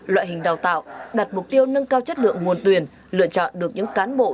loại hình đào tạo đặt mục tiêu nâng cao chất lượng nguồn tuyển lựa chọn được những cán bộ